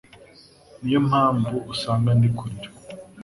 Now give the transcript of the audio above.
Niyo mpamvu usanga ndikurira